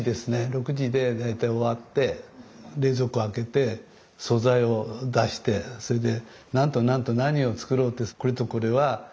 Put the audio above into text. ６時で大体終わって冷蔵庫開けて素材を出してそれで何と何と何を作ろうってこれとこれは私。